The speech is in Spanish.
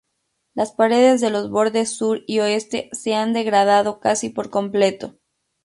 Las paredes de los bordes sur y oeste se han degradado casi por completo.